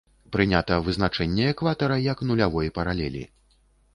Прынята вызначэнне экватара як нулявой паралелі.